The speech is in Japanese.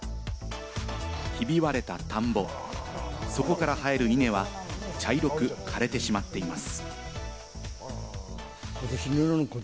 ひび割れた田んぼ、そこから生える稲は、茶色く枯れてしまっています。